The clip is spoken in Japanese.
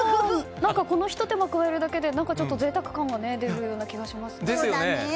このひと手間を加えるだけで贅沢感が出るような気がします。